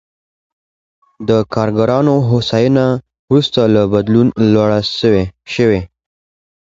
د کارګرانو هوساینه وروسته له بدلون لوړ شوې.